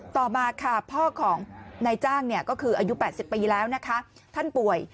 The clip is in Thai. ต่อมาค่ะพ่อของนายจ้างก็คืออายุ๘๐ปีแล้วนะคะท่านป่วย